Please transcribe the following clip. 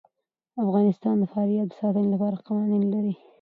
افغانستان د فاریاب د ساتنې لپاره قوانین لري.